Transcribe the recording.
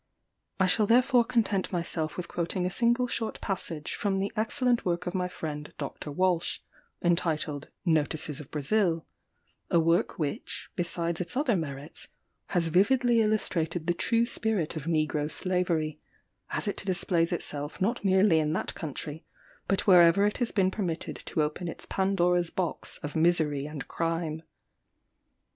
I shall therefore content myself with quoting a single short passage from the excellent work of my friend Dr. Walsh, entitled "Notices of Brazil," a work which, besides its other merits, has vividly illustrated the true spirit of Negro Slavery, as it displays itself not merely in that country, but wherever it has been permitted to open its Pandora's box of misery and crime.